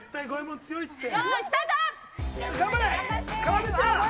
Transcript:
頑張れ。